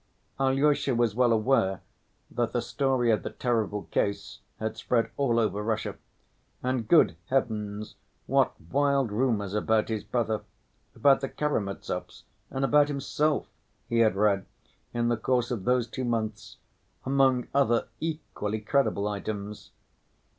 Alyosha was well aware that the story of the terrible case had spread all over Russia. And, good heavens! what wild rumors about his brother, about the Karamazovs, and about himself he had read in the course of those two months, among other equally credible items!